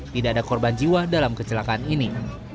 tidak ada korban jiwa dalam kecelakaan ini